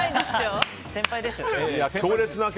先輩ですよ。